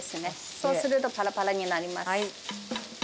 そうするとぱらぱらになります。